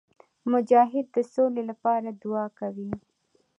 مجاهد د سولي لپاره دعا کوي.